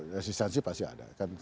resistensi pasti ada